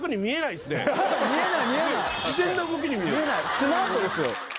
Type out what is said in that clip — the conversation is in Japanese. スマートですよ。